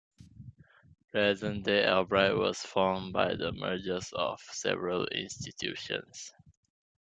Present-day Albright was formed by the mergers of several institutions.